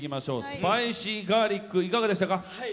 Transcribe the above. スパイシーガーリックいかがでしたか？